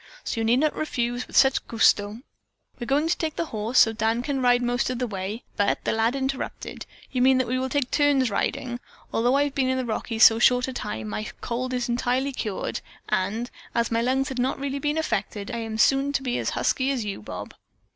So you need not refuse with such gusto! We're going to take the horse, so that Dan can ride most of the way." But that lad interrupted: "You mean that we will take turns riding. Although I have been in the Rockies so short a time my cold is entirely cured, and, as my lungs had not really been affected, I am soon to be as husky as you, Bob."